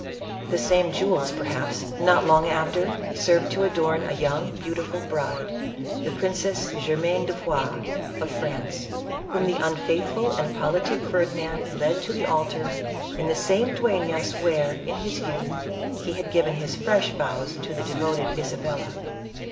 The same jewels, perhaps, not long after served to adorn a young, beautiful bride, the Princess Germain de Foix of France, whom the unfaithful and politic Ferdinand led to the altar, in the same Dueflas, where, in his youth, he had given his fresh vows to the devoted Isabella.